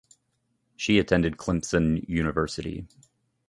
She attended the Clemson University.